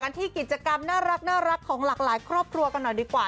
ที่กิจกรรมน่ารักของหลากหลายครอบครัวกันหน่อยดีกว่า